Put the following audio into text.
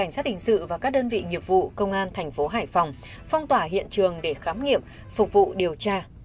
xác định sự và các đơn vị nghiệp vụ công an thành phố hải phòng phong tỏa hiện trường để khám nghiệm phục vụ điều tra